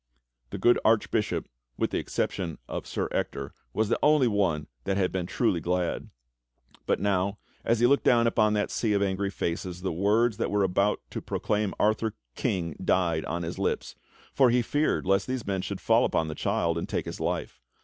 The good Archbishop, with the exception of Sir Ector, was the only one that had been truly glad; but now, as he looked down upon that sea of angry faces, the words that were about to proclaim Arthur king died on his lips, for he feared lest these men should fall upon the child and take his life.